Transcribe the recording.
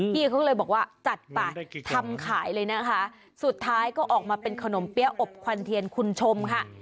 พี่เขาก็เลยบอกว่าจัดไปทำขายเลยนะคะสุดท้ายก็ออกมาเป็นขนมเปี้ยอบควันเทียนคุณชมค่ะ